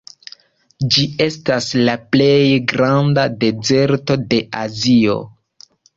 Ĝi estas la plej granda dezerto de Azio.